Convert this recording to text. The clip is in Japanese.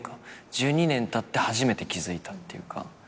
１２年たって初めて気付いたっていうか。